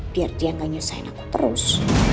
biar dia gak nyusahin aku terus